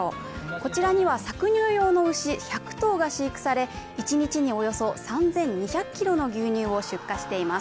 こちらには搾乳用の牛１００頭が飼育され１日におよそ３２００ｋｇの牛乳を出荷しています。